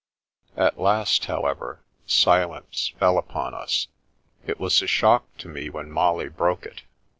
At last, however, silence fell upon us. It was a shock to me when Molly broke it.